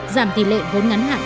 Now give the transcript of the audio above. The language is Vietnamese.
giảm tỷ lệ vốn ngắn hạn